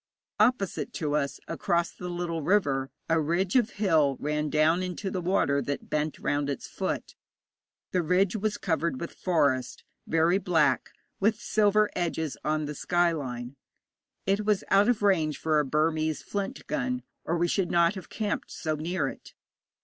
Opposite to us, across the little river, a ridge of hill ran down into the water that bent round its foot. The ridge was covered with forest, very black, with silver edges on the sky line. It was out of range for a Burmese flint gun, or we should not have camped so near it.